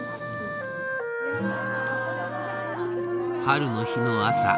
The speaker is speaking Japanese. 春の日の朝。